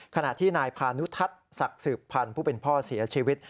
ขณะที่นายพานุทัศน์ศักดิ์สืบพันธ์ผู้เป็นพ่อเสียชีวิต